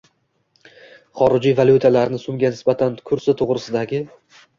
xorijiy valyutalarni so‘mga nisbatan kursi to‘g‘risidagi